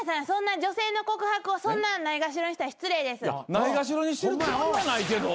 そんな女性の告白をそんなないがしろにしたら失礼です。